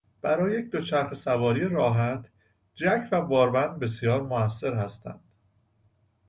برای یک دوچرخه سواری راحت، جک و باربند بسیار موثر هستند.